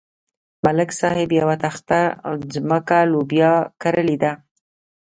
ملک صاحب یوه تخته ځمکه لوبیا کرلې ده.